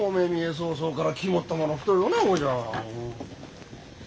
早々から肝っ玉の太いおなごじゃ。